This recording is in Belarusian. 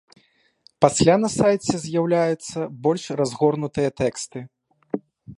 Пасля на сайце з'яўляюцца больш разгорнутыя тэксты.